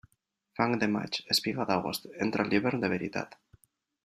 Fang de maig, espiga d'agost, entra l'hivern de veritat.